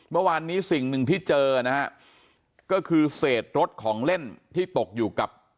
เมื่อวานนี้สิ่งหนึ่งที่เจอนะฮะก็คือเศษรถของเล่นที่ตกอยู่กับ